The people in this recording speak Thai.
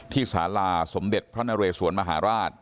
สาราสมเด็จพระนเรสวนมหาราช